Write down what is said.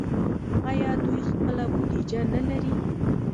آیا دوی خپله بودیجه نلري؟